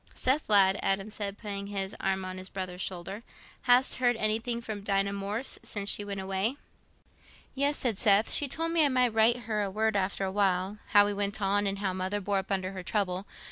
"Seth, lad," Adam said, putting his arm on his brother's shoulder, "hast heard anything from Dinah Morris since she went away?" "Yes," said Seth. "She told me I might write her word after a while, how we went on, and how mother bore up under her trouble.